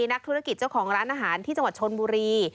นักธุรกิจเจ้าของร้านอาหารที่จังหวัดชนบุรี